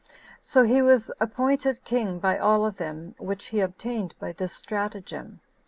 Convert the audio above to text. So he was appointed king by all of them, which he obtained by this stratagem.